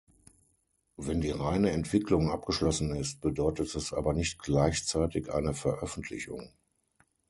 Wenn die reine Entwicklung abgeschlossen ist, bedeutet das aber nicht gleichzeitig eine Veröffentlichung.